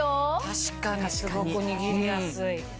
確かにすごく握りやすい。